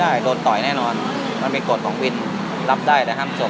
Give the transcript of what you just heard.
น่าวินคุณธุรกิจเขา